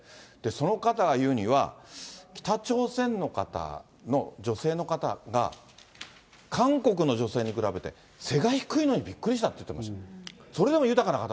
その方が言うには、北朝鮮の方の女性の方が、韓国の女性に比べて背が低いのにびっくりしたって言ってました。